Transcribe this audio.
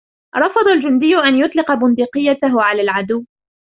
رفض الجندي أن يطلق بندقيته على العدو.